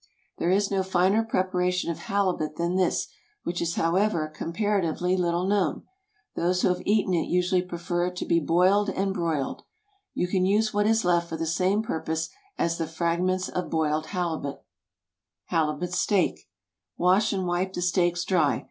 There is no finer preparation of halibut than this, which is, however, comparatively little known. Those who have eaten it usually prefer it to boiled and broiled. You can use what is left for the same purpose as the fragments of boiled halibut. HALIBUT STEAK. ✠ Wash and wipe the steaks dry.